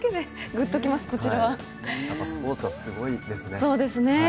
やっぱスポーツはすごいですね。